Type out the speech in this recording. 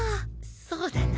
そうだな。